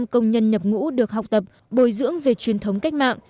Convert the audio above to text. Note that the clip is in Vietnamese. một trăm linh công nhân nhập ngũ được học tập bồi dưỡng về truyền thống cách mạng